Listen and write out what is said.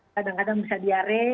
kadang kadang bisa diare